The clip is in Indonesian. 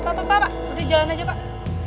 pak pak pak udah jalan aja pak